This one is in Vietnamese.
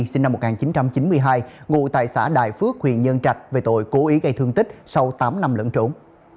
sinh năm một nghìn chín trăm chín mươi hai ngụ tại xã đại phước huyện nhân trạch về tội cố ý gây thương tích sau tám năm lẫn trốn